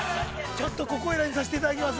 ちょっと、ここいらにさせていただきます。